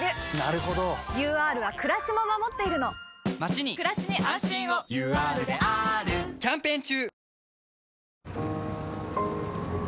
ＵＲはくらしも守っているのまちにくらしに安心をＵＲであーるキャンペーン中！